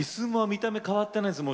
見た目変わってないです。